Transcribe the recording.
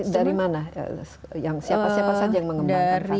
dari mana siapa siapa saja yang mengembangkan vaksin